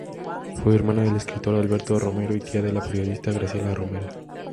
Fue hermana del escritor Alberto Romero y tía de la periodista Graciela Romero.